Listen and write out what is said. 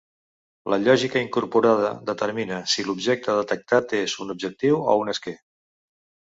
La lògica incorporada determina si l'objecte detectat és un objectiu o un esquer.